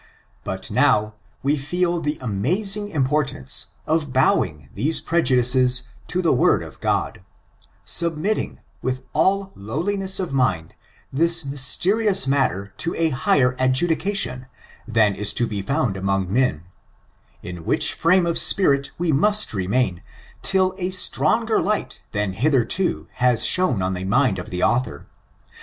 But now we feel the amazing importance of bowing these preju dices to the word of God, submitting, with all lowli ness of mind, this mysterious matter to a higher ad judication than is to be found among men, in which frame of spirit we must remain, till a stronger light than hitherto has shone on the mind of the author.